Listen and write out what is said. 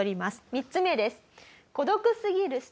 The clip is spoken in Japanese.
３つ目です。